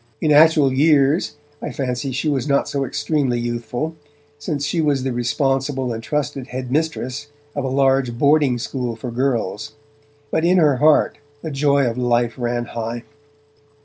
In actual years I fancy she was not so extremely youthful, since she was the responsible and trusted headmistress of a large boarding school for girls, but in her heart the joy of life ran high.